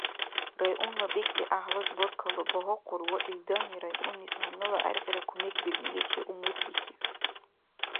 Районна бекӏли гӏяхӏлас баркалла багьахъур ва илдани районнис гьаннала гӏергъира кумекбирниличи умутбихьиб.